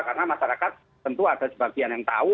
karena masyarakat tentu ada sebagian yang tahu